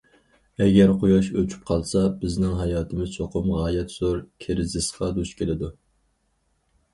ئەگەر قۇياش ئۆچۈپ قالسا، بىزنىڭ ھاياتىمىز چوقۇم غايەت زور كىرىزىسقا دۇچ كېلىدۇ.